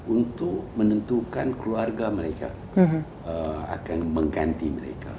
untuk menentukan keluarga mereka akan mengganti mereka